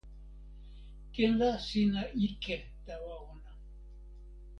ken la sina ike tawa ona.